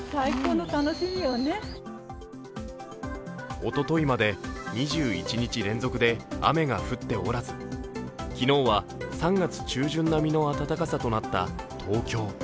おとといまで２１日連続で雨が降っておらず昨日は３月中旬並みの暖かさとなった東京。